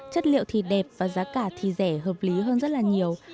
chất liệu thì đẹp và giá cả thì rẻ hợp lý hơn rất là nhiều